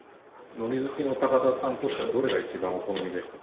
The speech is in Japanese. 海苔好きの高田さんとしてはどれが一番お好みでした？